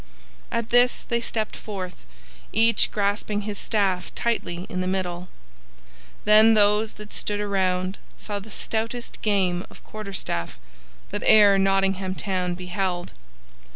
At this they stepped forth, each grasping his staff tightly in the middle. Then those that stood around saw the stoutest game of quarterstaff that e'er Nottingham Town beheld.